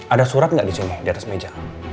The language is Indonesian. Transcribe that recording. ada surat nggak di sini di atas meja